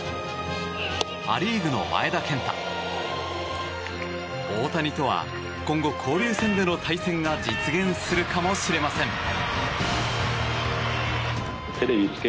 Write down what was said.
ア・リーグの前田健太大谷とは今後、交流戦での対戦が実現するかもしれません。